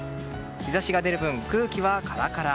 日差しが出る分空気はカラカラ。